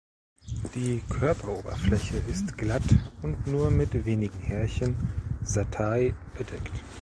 Die Körperoberfläche ist glatt und nur mit wenigen Härchen (Setae) bedeckt.